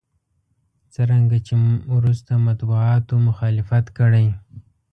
څرنګه چې وروسته مطبوعاتو مخالفت کړی.